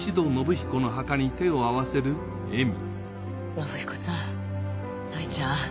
信彦さん藍ちゃん